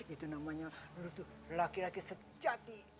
itu namanya lu tuh laki laki sejati